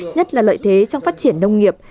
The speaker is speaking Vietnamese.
nhất là lợi thế trong phát triển nông nghiệp